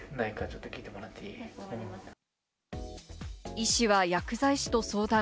医師は薬剤師と相談。